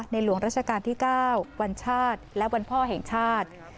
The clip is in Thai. หลวงราชการที่๙วันชาติและวันพ่อแห่งชาติ